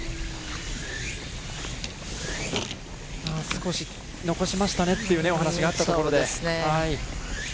少し残しましたねというお話があったところで。